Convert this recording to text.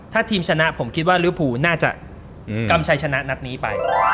ถ้าทีมชนะผมคิดว่าริวภูน่าจะกำชัยชนะนัดนี้ไป